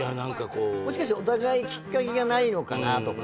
もしかしてお互いきっかけがないのかなとか。